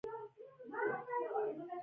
چاپي کتابونه له تېروتنو پاک وي.